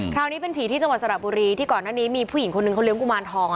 คราวนี้เป็นผีที่จังหวัดสระบุรีที่ก่อนหน้านี้มีผู้หญิงคนนึงเขาเลี้ยกุมารทอง